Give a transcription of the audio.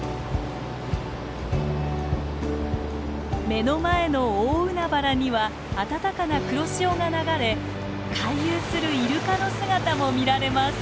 目の前の大海原にはあたたかな黒潮が流れ回遊するイルカの姿も見られます。